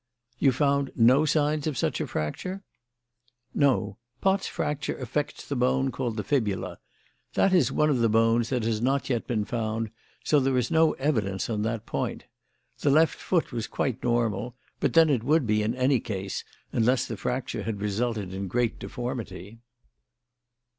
"You found no signs of such a fracture?" "No. Pott's fracture affects the bone called the fibula. That is one of the bones that has not yet been found, so there is no evidence on that point. The left foot was quite normal, but then it would be in any case, unless the fracture had resulted in great deformity."